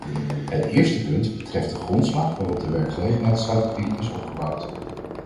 Het eerste punt betreft de grondslag waarop de werkgelegenheidsstrategie is opgebouwd.